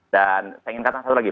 dan saya ingin katakan satu lagi